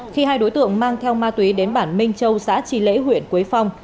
khi hai đối tượng mang theo ma túy đến bản minh châu xã tri lễ huyện quế phong